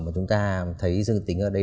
mà chúng ta thấy dương tính ở đây